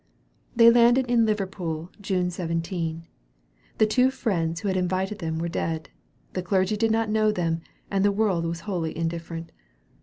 They landed in Liverpool, June 17. The two friends who had invited them were dead. The clergy did not know them, and the world was wholly indifferent.